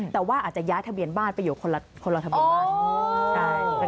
แต่ว่าอาจจะย้ายทะเบียนบ้านไปอยู่คนละทะเบียนบ้าน